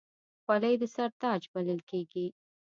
خولۍ د سر تاج بلل کېږي.